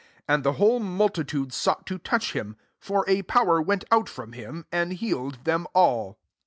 19 And the whole mul titude sought to touch him : for a power went out from him, and healed them all.